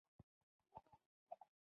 اکثره ویبریونونه متحرک وي.